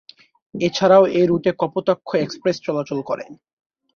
এছাড়াও এ রুটে কপোতাক্ষ এক্সপ্রেস চলাচল করে।